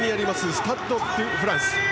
スタッド・ド・フランス。